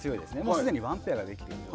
すでにワンペアができている。